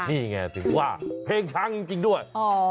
นี่ไงถึงว่าเพลงช้างจริงด้วย